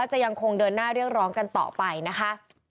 จะยังคงเดินหน้าเรียกร้องกันต่อไปนะคะ